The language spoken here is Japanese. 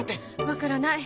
分からない。